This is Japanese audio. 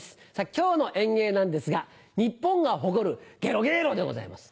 今日の演芸なんですが日本が誇る「ゲロゲロ」でございます。